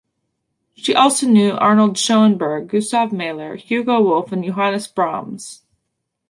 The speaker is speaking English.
She also knew Arnold Schoenberg, Gustav Mahler, Hugo Wolf and Johannes Brahms.